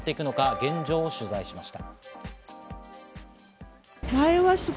現状を取材しました。